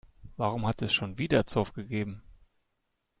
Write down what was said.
Warum hat es schon wieder Zoff gegeben?